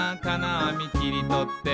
あみきりとって」